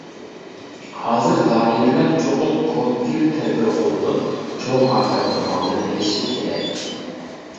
ھازىر دائىرىلەر چوقۇم كونكرېت تەدبىر قوللىنىپ ، چوڭ ئاپەتنىڭ ئالدىنى ئېلىشى كېرەك.